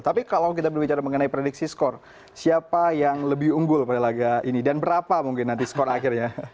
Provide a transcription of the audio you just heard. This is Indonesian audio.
tapi kalau kita berbicara mengenai prediksi skor siapa yang lebih unggul pada laga ini dan berapa mungkin nanti skor akhirnya